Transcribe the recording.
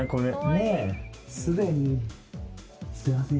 ねぇすでにすいません